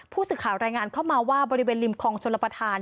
ผู้สื่อข่าวรายงานเข้ามาว่าบริเวณริมคลองชลประธาน